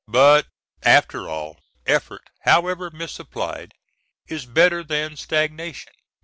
But, after all, effort, however misapplied, is better than stagnation.